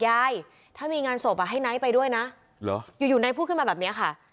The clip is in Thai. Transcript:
ยายถ้ามีงานศพให้ไนท์ไปด้วยนะอยู่อยู่ไนท์พูดขึ้นมาแบบนี้ค่ะ